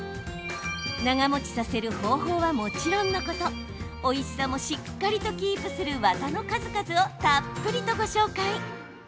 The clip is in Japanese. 長もちさせる方法はもちろんのことおいしさもしっかりとキープする技の数々をたっぷりとご紹介。